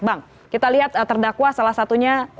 bang kita lihat terdakwa salah satunya